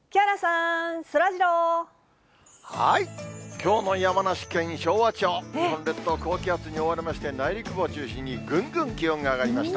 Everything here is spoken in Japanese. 買った人たちの食卓には、日本列島、高気圧に覆われまして、内陸部を中心にぐんぐん気温が上がりました。